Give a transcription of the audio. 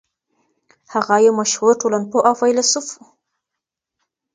هغه يو مشهور ټولنپوه او فيلسوف و.